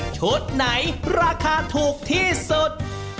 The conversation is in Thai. ชุดไหนราคาถูกที่สุด